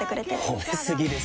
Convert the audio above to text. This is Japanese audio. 褒め過ぎですよ。